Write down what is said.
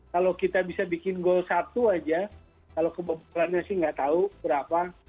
kalau kita bisa bikin gol satu aja kalau kebobolannya sih nggak tahu berapa